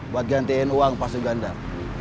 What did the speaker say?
buat gantiin uang pasu gandar